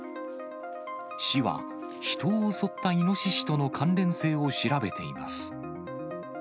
市は、人を襲ったイノシシとの関連性を調べています。